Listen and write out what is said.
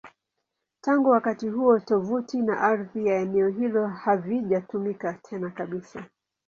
Tangu wakati huo, tovuti na ardhi ya eneo hilo havijatumika tena kabisa.